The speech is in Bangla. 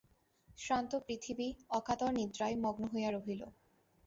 শ্রান্ত পৃথিবী অকাতর নিদ্রায় মগ্ন হইয়া রহিল।